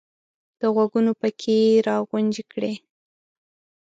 د غوږونو پکې یې را غونجې کړې !